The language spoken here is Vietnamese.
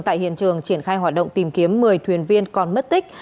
tại hiện trường triển khai hoạt động tìm kiếm một mươi thuyền viên còn mất tích